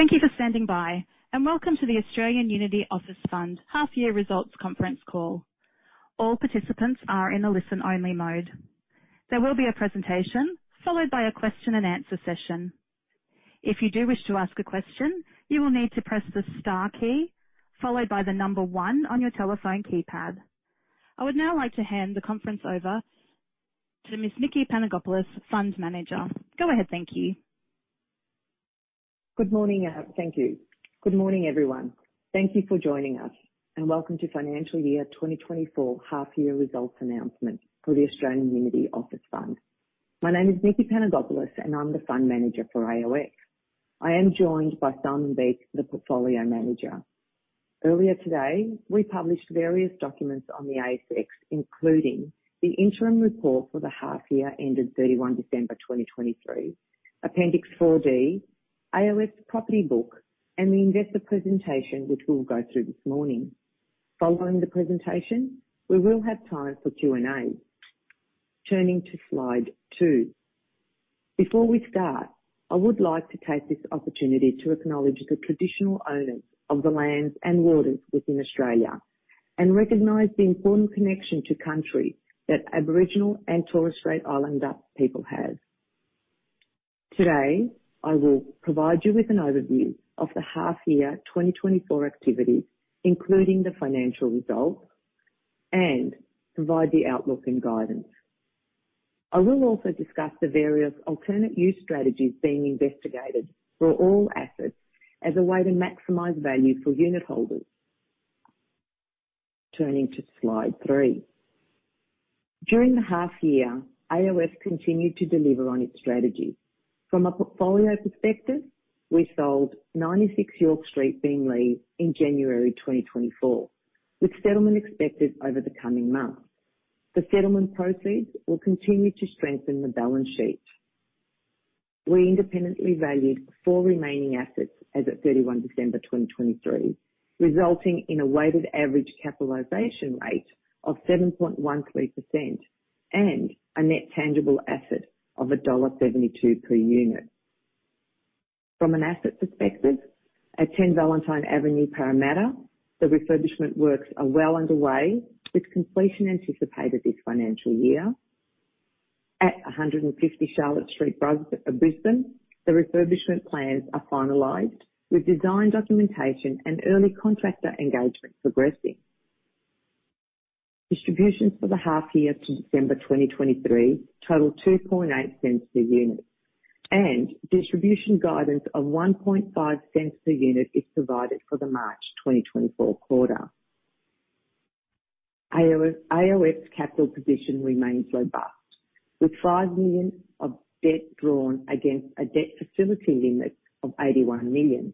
Thank you for standing by, and welcome to the Australian Unity Office Fund half-year results conference call. All participants are in a listen-only mode. There will be a presentation followed by a question-and-answer session. If you do wish to ask a question, you will need to press the star key followed by the number 1 on your telephone keypad. I would now like to hand the conference over to Ms. Nikki Panagopoulos, Fund Manager. Go ahead, thank you. Good morning, thank you. Good morning, everyone. Thank you for joining us, and welcome to Financial Year 2024 half-year results announcement for the Australian Unity Office Fund. My name is Nikki Panagopoulos, and I'm the Fund Manager for AOF. I am joined by Simon Beake, the Portfolio Manager. Earlier today, we published various documents on the ASX, including the interim report for the half-year ended 31 December 2023, Appendix 4D, AOF's property book, and the investor presentation, which we'll go through this morning. Following the presentation, we will have time for Q&A. Turning to slide 2. Before we start, I would like to take this opportunity to acknowledge the traditional owners of the lands and waters within Australia and recognize the important connection to Country that Aboriginal and Torres Strait Islander people have. Today, I will provide you with an overview of the half-year 2024 activities, including the financial results, and provide the outlook and guidance. I will also discuss the various alternate use strategies being investigated for all assets as a way to maximize value for unit holders. Turning to slide 3. During the half-year, AOF continued to deliver on its strategies. From a portfolio perspective, we sold 96 York Street, Beenleigh in January 2024, with settlement expected over the coming months. The settlement proceeds will continue to strengthen the balance sheet. We independently valued four remaining assets as of 31 December 2023, resulting in a weighted average capitalization rate of 7.13% and a net tangible asset of dollar 1.72 per unit. From an asset perspective, at 10 Valentine Avenue, Parramatta, the refurbishment works are well underway, with completion anticipated this financial year. At 150 Charlotte Street, Brisbane, the refurbishment plans are finalized, with design documentation and early contractor engagement progressing. Distributions for the half-year to December 2023 total 0.028 per unit, and distribution guidance of 0.015 per unit is provided for the March 2024 quarter. AOF's capital position remains robust, with 5 million of debt drawn against a debt facility limit of 81 million.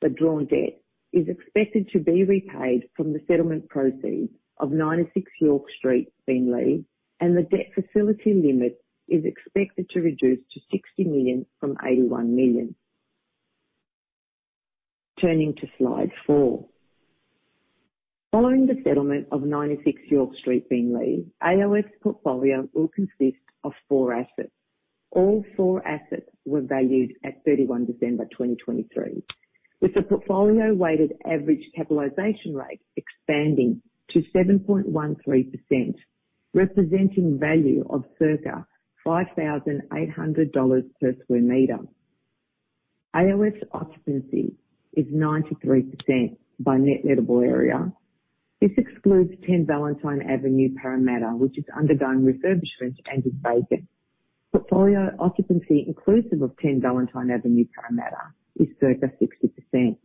The drawn debt is expected to be repaid from the settlement proceeds of 96 York Street, Beenleigh, and the debt facility limit is expected to reduce to 60 million from 81 million. Turning to slide 4. Following the settlement of 96 York Street, Beenleigh, AOF's portfolio will consist of four assets. All four assets were valued at 31 December 2023, with the portfolio weighted average capitalization rate expanding to 7.13%, representing value of circa 5,800 dollars per square meter. AOF's occupancy is 93% by net lettable area. This excludes 10 Valentine Avenue, Parramatta, which is undergoing refurbishment and is vacant. Portfolio occupancy inclusive of 10 Valentine Avenue, Parramatta, is circa 60%.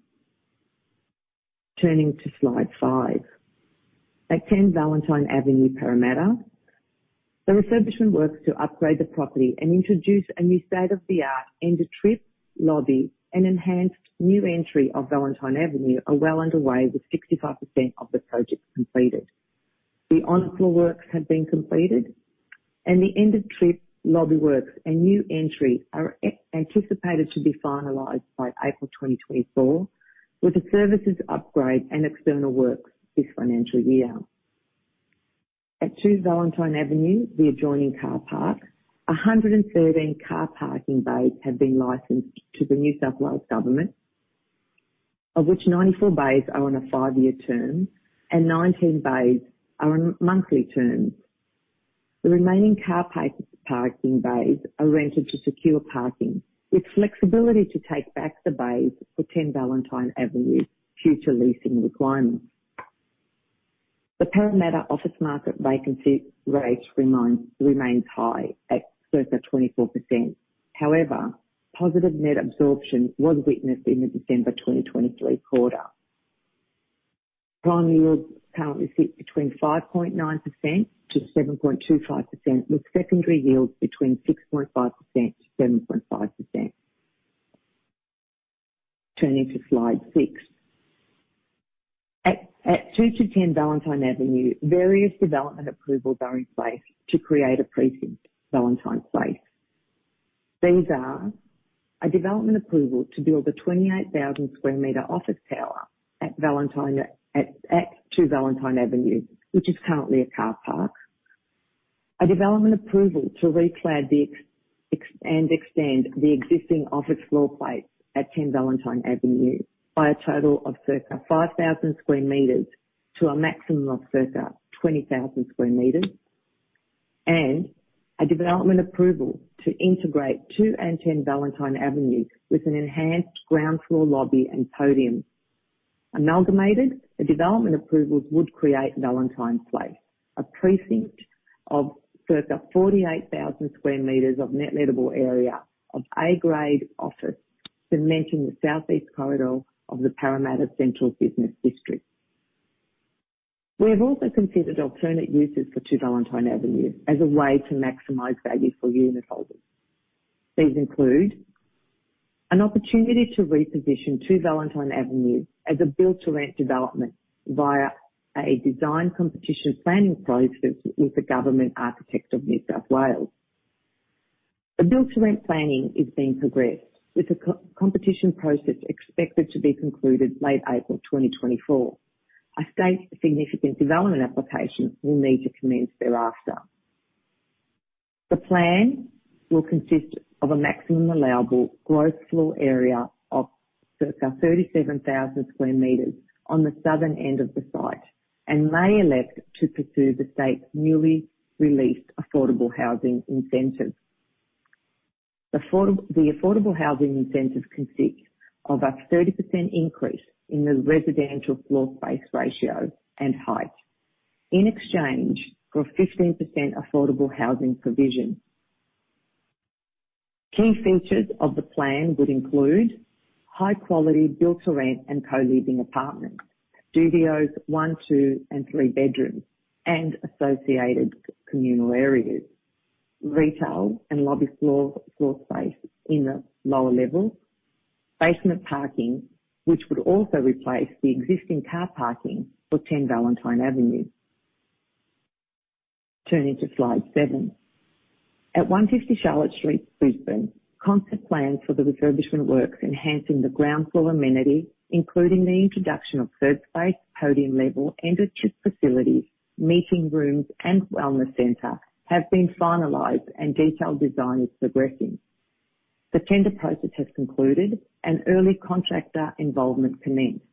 Turning to slide 5. At 10 Valentine Avenue, Parramatta, the refurbishment works to upgrade the property and introduce a new state-of-the-art end-of-trip lobby, and enhanced new entry of Valentine Avenue are well underway with 65% of the project completed. The on-floor works have been completed, and the end-of-trip lobby works and new entry are anticipated to be finalized by April 2024, with a services upgrade and external works this financial year. At 2 Valentine Avenue, the adjoining car park, 113 car parking bays have been licensed to the New South Wales Government, of which 94 bays are on a five-year term and 19 bays are on monthly terms. The remaining car parking bays are rented to Secure Parking with flexibility to take back the bays for 10 Valentine Avenue future leasing requirements. The Parramatta office market vacancy rate remains high at circa 24%. However, positive net absorption was witnessed in the December 2023 quarter. Prime yields currently sit between 5.9%-7.25%, with secondary yields between 6.5%-7.5%. Turning to slide 6. At 2 to 10 Valentine Avenue, various development approvals are in place to create a precinct Valentine Place. These are: a development approval to build a 28,000 square meter office tower at 2 Valentine Avenue, which is currently a car park. A development approval to reclad and extend the existing office floor plates at 10 Valentine Avenue by a total of circa 5,000 square meters to a maximum of circa 20,000 square meters. And a development approval to integrate 2 and 10 Valentine Avenue with an enhanced ground floor lobby and podium. Amalgamated, the development approvals would create Valentine Place, a precinct of circa 48,000 square meters of net lettable area of A-grade office cementing the southeast corridor of the Parramatta Central Business District. We have also considered alternate uses for 2 Valentine Avenue as a way to maximize value for unit holders. These include: an opportunity to reposition 2 Valentine Avenue as a build-to-rent development via a design competition planning process with the Government Architect NSW. The build-to-rent planning is being progressed, with a competition process expected to be concluded late April 2024. A state-significant development application will need to commence thereafter. The plan will consist of a maximum allowable gross floor area of circa 37,000 sq m on the southern end of the site and may elect to pursue the state's newly released affordable housing incentive. The affordable housing incentive consists of a 30% increase in the residential floor space ratio and height in exchange for a 15% affordable housing provision. Key features of the plan would include high-quality build-to-rent and co-leasing apartments, studios, 1, 2, and 3 bedrooms, and associated communal areas. Retail and lobby floor space in the lower levels. Basement parking, which would also replace the existing car parking for 10 Valentine Avenue. Turning to Slide 7. At 150 Charlotte Street, Brisbane, concept plans for the refurbishment works enhancing the ground floor amenity, including the introduction of third space, podium level, end-of-trip facilities, meeting rooms, and wellness centre, have been finalized, and detailed design is progressing. The tender process has concluded, and early contractor involvement commenced.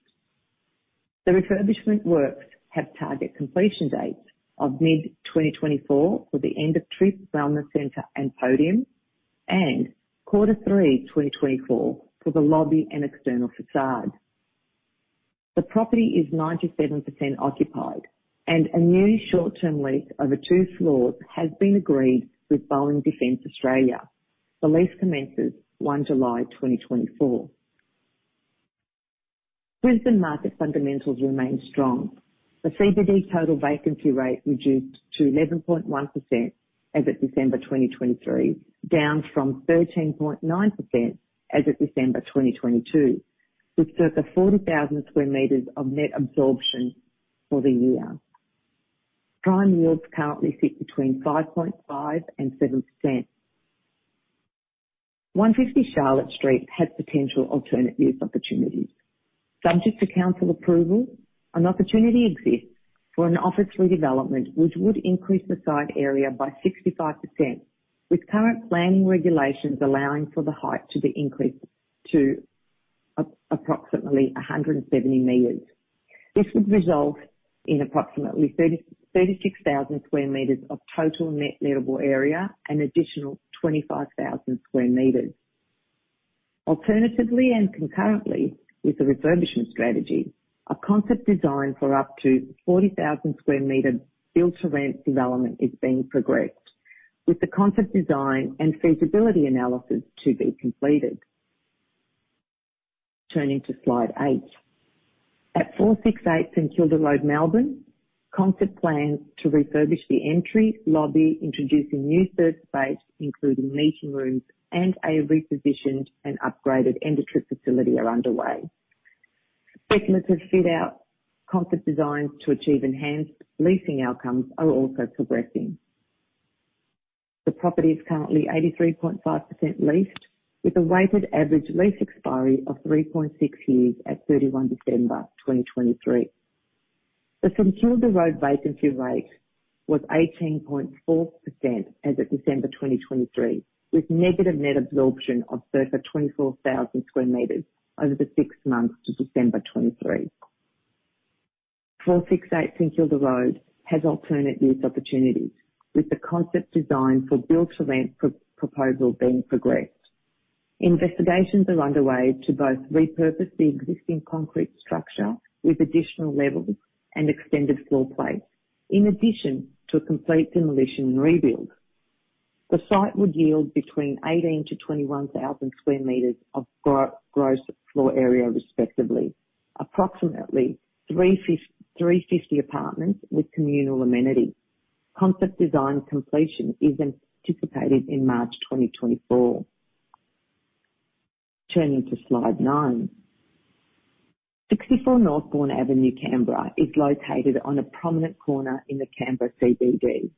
The refurbishment works have target completion dates of mid-2024 for the end-of-trip wellness centre and podium and quarter 3 2024 for the lobby and external façade. The property is 97% occupied, and a new short-term lease over 2 floors has been agreed with Boeing Defence Australia. The lease commences 1 July 2024. Brisbane market fundamentals remain strong. The CBD total vacancy rate reduced to 11.1% as of December 2023, down from 13.9% as of December 2022, with circa 40,000 square meters of net absorption for the year. Prime yields currently sit between 5.5%-7%. 150 Charlotte Street has potential alternate use opportunities. Subject to council approval, an opportunity exists for an office redevelopment which would increase the site area by 65%, with current planning regulations allowing for the height to be increased to approximately 170 meters. This would result in approximately 36,000 square meters of total net lettable area and additional 25,000 square meters. Alternatively and concurrently with the refurbishment strategy, a concept design for up to 40,000 square meter build-to-rent development is being progressed, with the concept design and feasibility analysis to be completed. Turning to slide 8. At 468 St Kilda Road. Kilda Road, Melbourne, concept plans to refurbish the entry lobby, introducing new third space including meeting rooms, and a repositioned and upgraded end-of-trip facility are underway. Speculative fit-out concept designs to achieve enhanced leasing outcomes are also progressing. The property is currently 83.5% leased, with a weighted average lease expiry of 3.6 years at 31 December 2023. The St Kilda Road vacancy rate was 18.4% as of December 2023, with negative net absorption of circa 24,000 square meters over the six months to December 2023. 468 St Kilda Road has alternate use opportunities, with the concept design for build-to-rent proposal being progressed. Investigations are underway to both repurpose the existing concrete structure with additional levels and extended floor plates, in addition to a complete demolition and rebuild. The site would yield between 18,000-21,000 square meters of gross floor area, respectively approximately 350 apartments with communal amenity. Concept design completion is anticipated in March 2024. Turning to Slide 9. 64 Northbourne Avenue, Canberra, is located on a prominent corner in the Canberra CBD,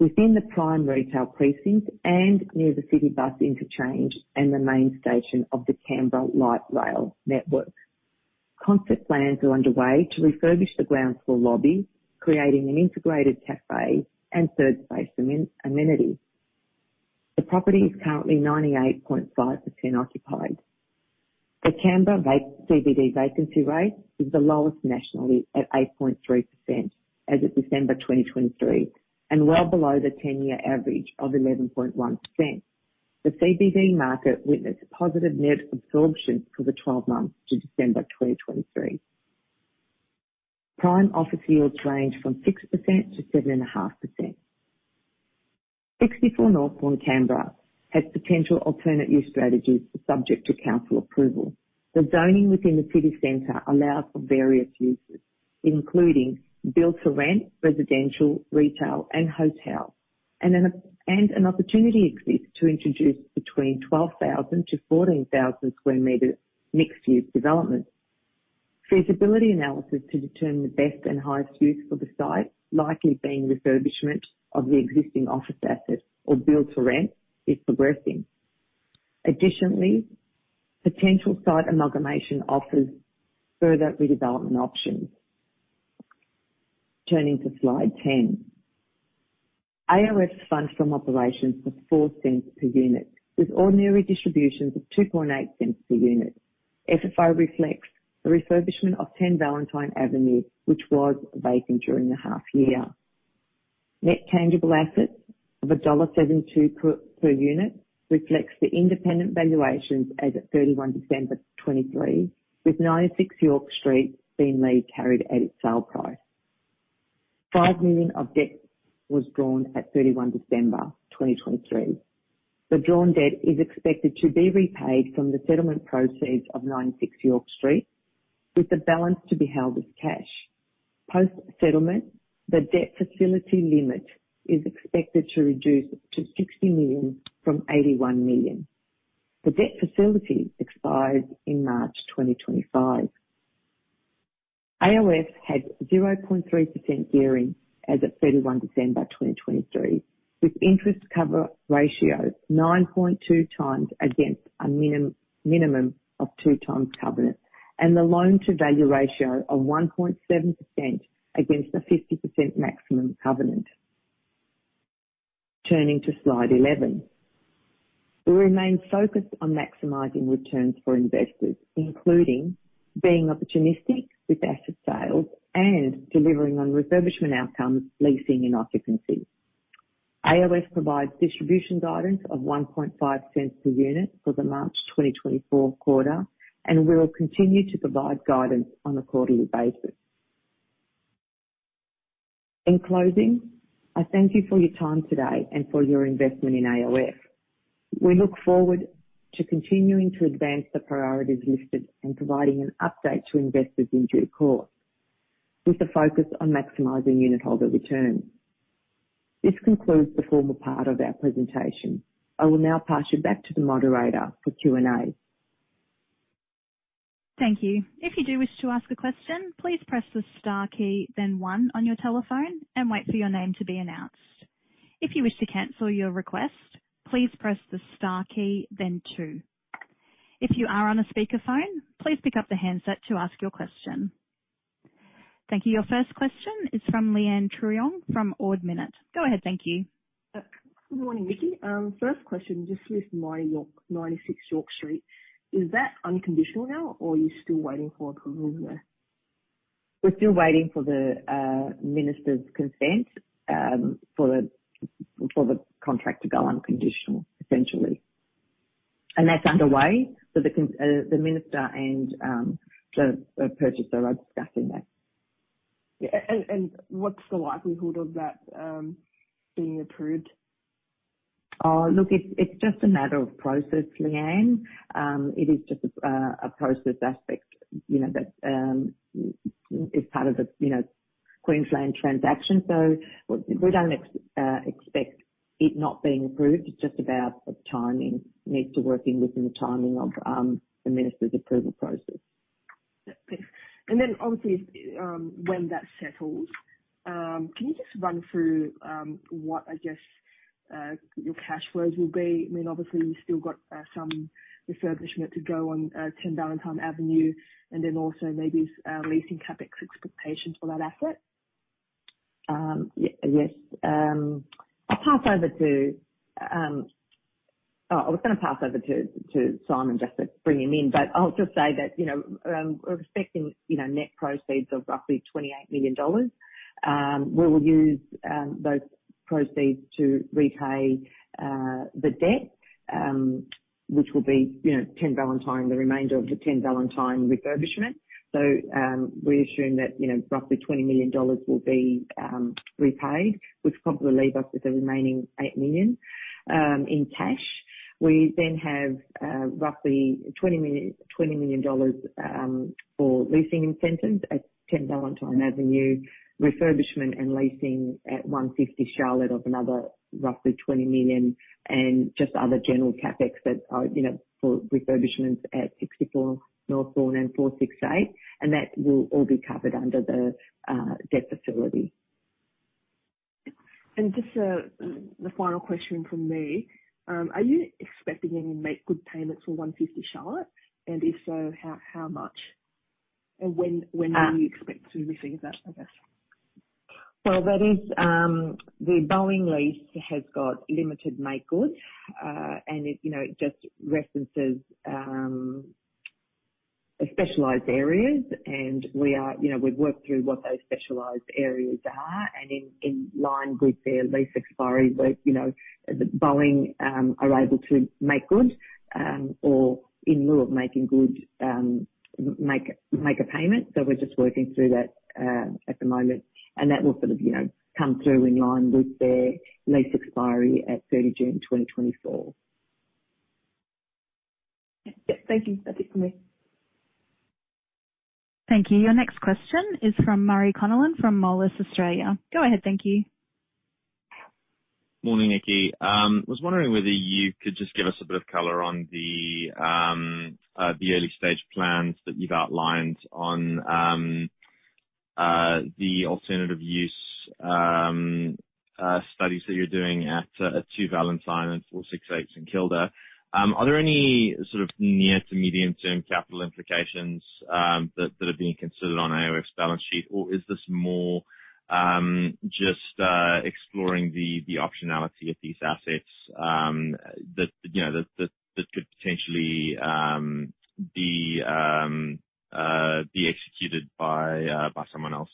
within the Prime Retail Precinct and near the city bus interchange and the main station of the Canberra Light Rail Network. Concept plans are underway to refurbish the ground floor lobby, creating an integrated café and third space amenity. The property is currently 98.5% occupied. The Canberra CBD vacancy rate is the lowest nationally at 8.3% as of December 2023 and well below the 10-year average of 11.1%. The CBD market witnessed positive net absorption for the 12 months to December 2023. Prime office yields range from 6%-7.5%. 64 Northbourne, Canberra, has potential alternate use strategies subject to council approval. The zoning within the city center allows for various uses, including build-to-rent, residential, retail, and hotel, and an opportunity exists to introduce between 12,000-14,000 square meter mixed-use developments. Feasibility analysis to determine the best and highest use for the site, likely being refurbishment of the existing office asset or build-to-rent, is progressing. Additionally, potential site amalgamation offers further redevelopment options. Turning to Slide 10. AOF's Funds From Operations for 0.04 per unit with ordinary distributions of 0.028 per unit. FFO reflects the refurbishment of 10 Valentine Avenue, which was vacant during the half-year. Net tangible assets of dollar 1.72 per unit reflects the independent valuations as of 31 December 2023, with 96 York Street, Beenleigh carried at its sale price. 5 million of debt was drawn at 31 December 2023. The drawn debt is expected to be repaid from the settlement proceeds of 96 York Street, with the balance to be held as cash. Post-settlement, the debt facility limit is expected to reduce to 60 million from 81 million. The debt facility expires in March 2025. AOF had 0.3% gearing as of 31 December 2023, with interest cover ratio 9.2 times against a minimum of 2 times covenant and the loan-to-value ratio of 1.7% against the 50% maximum covenant. Turning to slide 11. We remain focused on maximizing returns for investors, including being opportunistic with asset sales and delivering on refurbishment outcomes, leasing, and occupancy. AOF provides distribution guidance of 0.015 per unit for the March 2024 quarter and will continue to provide guidance on a quarterly basis. In closing, I thank you for your time today and for your investment in AOF. We look forward to continuing to advance the priorities listed and providing an update to investors in due course with a focus on maximizing unit holder returns. This concludes the formal part of our presentation. I will now pass you back to the moderator for Q&A. Thank you. If you do wish to ask a question, please press the star key, then one, on your telephone and wait for your name to be announced. If you wish to cancel your request, please press the star key, then two. If you are on a speakerphone, please pick up the handset to ask your question. Thank you. Your first question is from Leanne Truong from Ord Minnett. Go ahead. Thank you. Good morning, Nikki. First question, just with 96 York Street. Is that unconditional now, or are you still waiting for approvals there? We're still waiting for the minister's consent for the contract to go unconditional, essentially. And that's underway. So the minister and the purchaser are discussing that. And what's the likelihood of that being approved? Look, it's just a matter of process, Leanne. It is just a process aspect that is part of the Queensland transaction. So we don't expect it not being approved. It's just about timing. It needs to work within the timing of the minister's approval process. And then obviously, when that settles, can you just run through what, I guess, your cash flows will be? I mean, obviously, you've still got some refurbishment to go on 10 Valentine Avenue and then also maybe leasing CapEx expectations for that asset. Yes. I'll pass over to oh, I was going to pass over to Simon just to bring him in. But I'll just say that we're expecting net proceeds of roughly 28 million dollars. We will use those proceeds to repay the debt, which will be 10 Valentine, the remainder of the 10 Valentine refurbishment. So we assume that roughly 20 million dollars will be repaid, which probably leaves us with a remaining 8 million in cash. We then have roughly 20 million dollars for leasing incentives at 10 Valentine Avenue, refurbishment and leasing at 150 Charlotte of another roughly 20 million and just other general CapEx for refurbishments at 64 Northbourne and 468. And that will all be covered under the debt facility. And just the final question from me. Are you expecting any make-good payments for 150 Charlotte? And if so, how much? And when do you expect to receive that, I guess? Well, the Boeing lease has got limited make-good, and it just references specialized areas. And we've worked through what those specialized areas are and in line with their lease expiry that Boeing are able to make good or in lieu of making good, make a payment. So we're just working through that at the moment. And that will sort of come through in line with their lease expiry at 30 June 2024. Yep. Thank you. That's it from me. Thank you. Your next question is from Murray Connellan from Moelis Australia. Go ahead. Thank you. Morning, Nikki. I was wondering whether you could just give us a bit of color on the early-stage plans that you've outlined on the alternative use studies that you're doing at 2 Valentine and 468 St Kilda Road. Are there any sort of near-to-medium-term capital implications that are being considered on AOF's balance sheet, or is this more just exploring the optionality of these assets that could potentially be executed by someone else?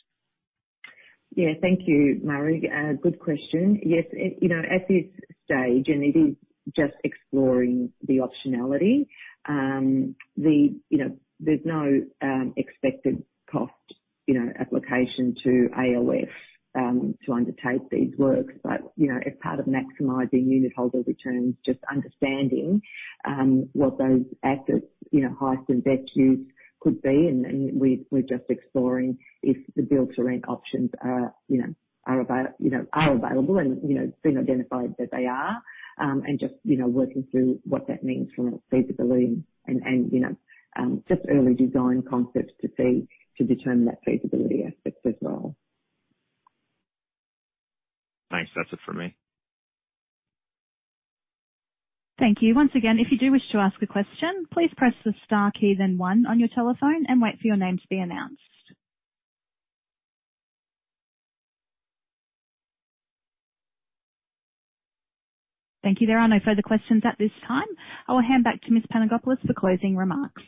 Yeah. Thank you, Murray. Good question. Yes. At this stage, and it is just exploring the optionality, there's no expected cost application to AOF to undertake these works. But as part of maximizing unit holder returns, just understanding what those assets, highest invest use, could be. And we're just exploring if the build-to-rent options are available and it's been identified that they are and just working through what that means from a feasibility and just early design concepts to determine that feasibility aspect as well. Thanks. That's it from me. Thank you. Once again, if you do wish to ask a question, please press the star key, then one, on your telephone and wait for your name to be announced. Thank you. There are no further questions at this time. I will hand back to Miss Panagopoulos for closing remarks.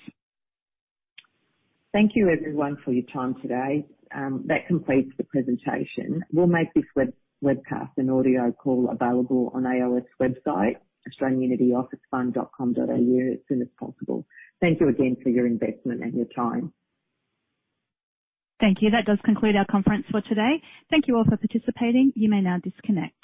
Thank you, everyone, for your time today. That completes the presentation. We'll make this webcast and audio call available on AOF's website, australianunityofficefund.com.au, as soon as possible. Thank you again for your investment and your time. Thank you. That does conclude our conference for today. Thank you all for participating. You may now disconnect.